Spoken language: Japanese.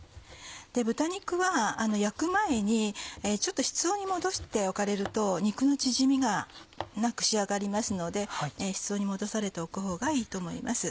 豚肉は焼く前にちょっと室温に戻しておかれると肉の縮みがなく仕上がりますので室温に戻されておくほうがいいと思います。